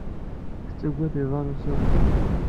Tettaggad iḍan ussiḍen.